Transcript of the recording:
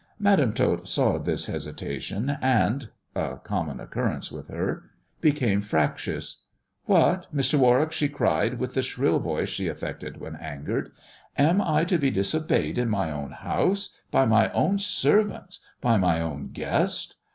Madam Tot saw this hesitation, and, a common occurrence with her, became fractious. " What, Mr. Warwick !" she cried, with the shrill voice she affected when angered. " Am I to be disobeyed in my own house, by my own servants — by my own guest